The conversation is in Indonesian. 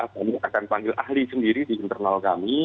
kami akan panggil ahli sendiri di internal kami